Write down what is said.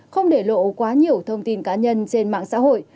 không để lộ quá nhiều thông tin cá nhân trên mạng xã hội